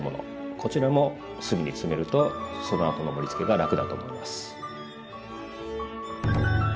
こちらも隅に詰めるとそのあとの盛りつけが楽だと思います。